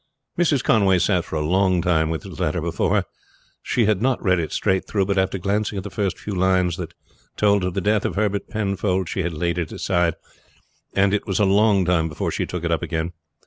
Mrs. Conway sat for a long time with this letter before her. She had not read it straight through, but after glancing at the first few lines that told of the death of Herbert Penfold she had laid it aside, and it was a long time before she took it up again.